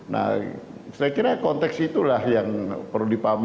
nah saya kira konteks itulah yang perlu dipahami